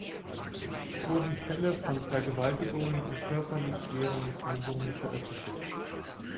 Es wurden Fälle von Vergewaltigungen und körperlich schweren Misshandlungen veröffentlicht.